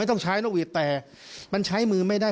ต้องใช้นกหวีดแต่มันใช้มือไม่ได้